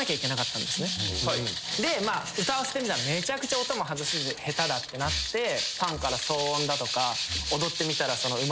歌わせてみたら音も外すし下手だってなってファンから騒音だとか踊ってみたら。